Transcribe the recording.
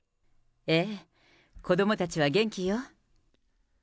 ええ、子どもたちは元気よ。